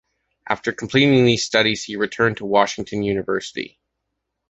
After completing these studies he returned to Washington University.